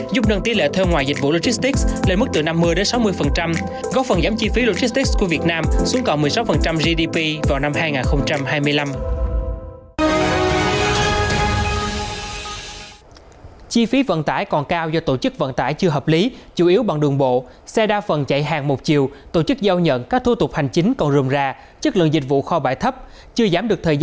giúp nâng tỷ lệ thơ ngoài dịch vụ logistics lên mức từ năm mươi sáu mươi